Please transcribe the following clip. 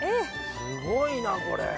すごいなこれ。